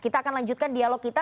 kita akan lanjutkan dialog kita